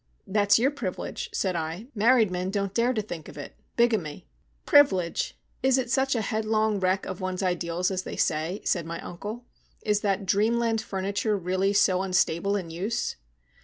"That's your privilege," said I. "Married men don't dare to think of it. Bigamy." "Privilege! Is it such a headlong wreck of one's ideals as they say?" said my uncle. "Is that dreamland furniture really so unstable in use?"